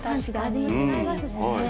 味も違いますしね。